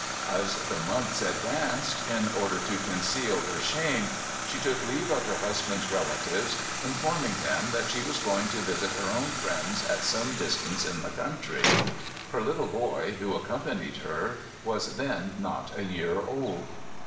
As the months advanced, in order to conceal her shame, she took leave of her husband's relatives, informing them that she was going to visit her own friends at some distance in the country. Her little boy, who accompanied her, was then not a year old.